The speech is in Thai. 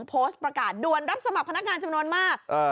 โพสต์ประกาศด่วนรับสมัครพนักงานจำนวนมาก